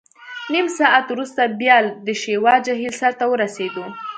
نیم ساعت وروسته بیا د شیوا جهیل سر ته ورسېدو.